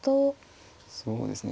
そうですね